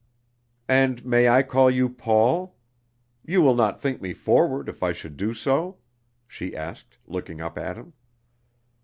"And may I call you Paul? You will not think me forward if I should do so?" she asked, looking up at him.